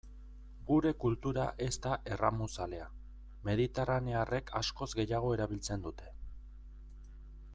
Gure kultura ez da erramuzalea, mediterranearrek askoz gehiago erabiltzen dute.